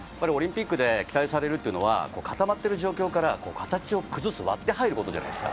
オリンピックで期待されるっていうのは固まってる状況から形を崩す、割って入ることじゃないですか。